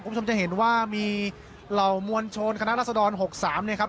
คุณผู้ชมจะเห็นว่ามีเหล่ามวลชนคณะรัศดร๖๓เนี่ยครับ